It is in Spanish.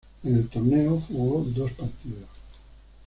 En el torneo, jugó dos partidos.